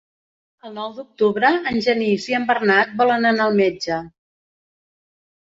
El nou d'octubre en Genís i en Bernat volen anar al metge.